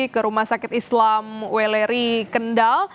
ke rumah sakit islam weleri kendal